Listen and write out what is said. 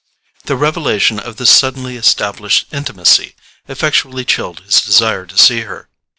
The revelation of this suddenly established intimacy effectually chilled his desire to see her.